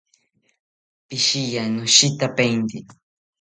Pishiya, noshitapainte